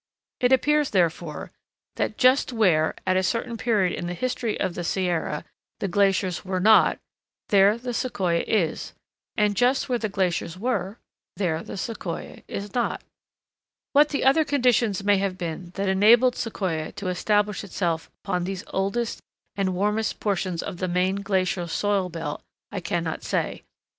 It appears, therefore, that just where, at a certain period in the history of the Sierra, the glaciers were not, there the Sequoia is, and just where the glaciers were, there the Sequoia is not. [Illustration: VIEW IN TUOLUMNE CAÑON, YOSEMITE NATIONAL PARK.] What the other conditions may have been that enabled Sequoia to establish itself upon these oldest and warmest portions of the main glacial soil belt, I cannot say.